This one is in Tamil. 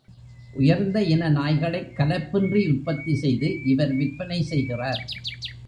உயர்ந்த இன நாய்களைக் கலப்பின்றி உற்பத்தி செய்து இவர் விற்பனை செய்கிறார்.